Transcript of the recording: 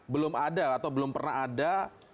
belum ada atau belum pernah ada